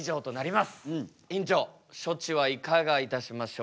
院長処置はいかがいたしましょうか？